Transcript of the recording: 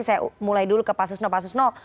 saya mulai dulu ke pak susno pak susno